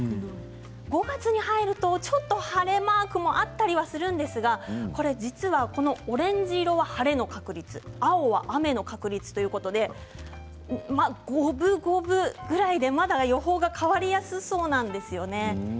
５月に入るとちょっと晴れマークもあったりするんですがこれ、実はオレンジ色は晴れの確率青は雨の確率ということで五分五分ぐらいでまだ予報が変わりやすそうなんですよね。